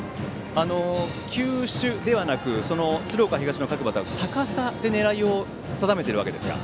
球種ではなく鶴岡東の各バッターは高さで狙いを定めているわけですか。